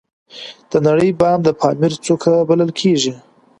د نړۍ بام د پامیر څوکه بلل کیږي